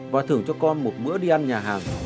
và thưởng cho con một bữa đi ăn nhà hàng